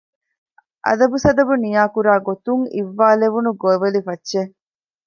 އަދަބުސަދަބު ނިޔާކުރާގޮތުން އިއްވާލެވުނު ގޮވެލިފައްޗެއް